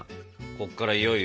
こっからいよいよ。